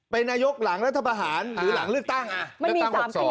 เป็นนายกหลังรัฐพรภานหรือหลังฤทธิ์ตั้ง